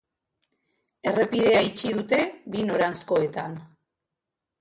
Errepidea itxi dute, bi noranzkoetan.